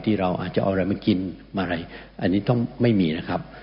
เราอาจจะเอาอะไรมากินมาอะไรอันนี้ต้องไม่มีนะครับ